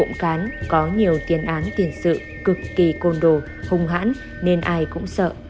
tổng cán có nhiều tiên án tiền sự cực kỳ côn đồ hùng hãn nên ai cũng sợ